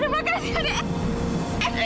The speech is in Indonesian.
udah nanti ga mau